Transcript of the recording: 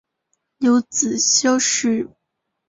有子萧士赟。